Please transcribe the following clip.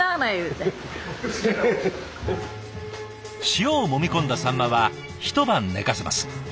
塩をもみ込んだサンマは一晩寝かせます。